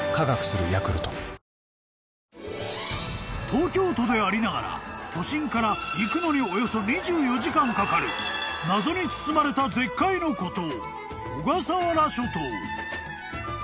［東京都でありながら都心から行くのにおよそ２４時間かかる謎に包まれた絶海の孤島］